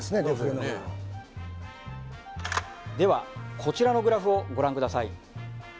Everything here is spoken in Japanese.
デフレの方がではこちらのグラフをご覧ください